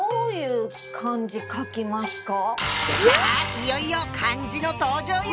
いよいよ漢字の登場よ！